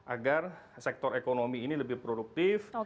agar sektor ekonomi ini lebih produktif